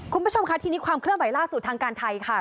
คุณผู้ชมค่ะทีนี้ความเคลื่อนไหวล่าสุดทางการไทยค่ะ